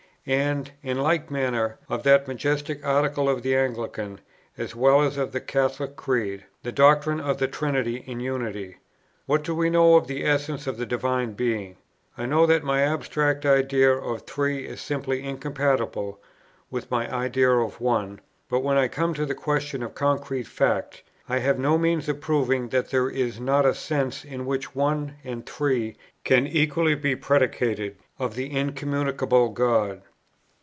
And, in like manner, of that majestic Article of the Anglican as well as of the Catholic Creed, the doctrine of the Trinity in Unity. What do I know of the Essence of the Divine Being? I know that my abstract idea of three is simply incompatible with my idea of one; but when I come to the question of concrete fact, I have no means of proving that there is not a sense in which one and three can equally be predicated of the Incommunicable God.